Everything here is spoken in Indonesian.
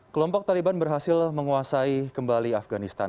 kelompok taliban berhasil menguasai kembali afganistan